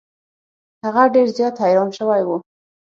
هغه ډیر زیات حیران شوی و.